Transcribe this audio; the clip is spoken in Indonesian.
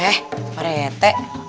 eh pak rt